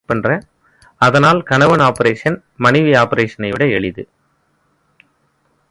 அதனால் கணவன் ஆப்பரேஷன் மனைவி ஆப்பரேஷனை விட எளிது.